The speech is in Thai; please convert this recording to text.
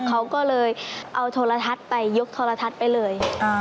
เขาก็เลยเอาโทรทัศน์ไปยกโทรทัศน์ไปเลย